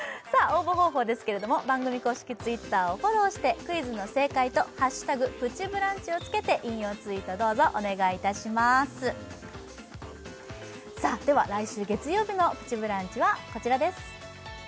応募方法ですけれども番組公式Ｔｗｉｔｔｅｒをフォローしてクイズの正解と「＃プチブランチ」をつけて引用ツイートどうぞお願いいたしますでは来週月曜日の「プチブランチ」はこちらです